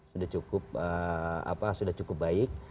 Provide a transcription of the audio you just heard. sudah cukup apa sudah cukup baik